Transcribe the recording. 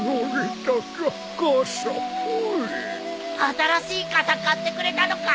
新しい傘買ってくれたのか？